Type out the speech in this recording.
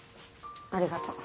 ありがとう。